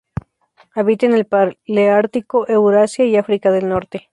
Habita en el paleártico: Eurasia y África del Norte.